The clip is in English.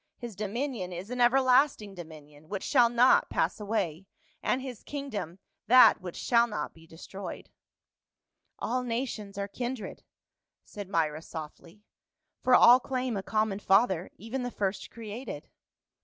His dominion is an everlasting dominion, which shall not pass away, and his kingdom that which shall not be destroyed.' " "All nations are kindred," said Myra softly, "for all claim a common father, even the first created."